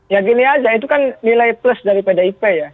ya gini aja itu kan nilai plus dari pdip ya